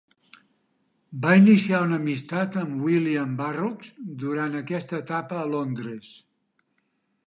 Va iniciar una amistat amb William Burroughs durant aquesta etapa a Londres.